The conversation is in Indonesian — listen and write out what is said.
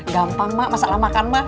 gampang mak masalah makan mah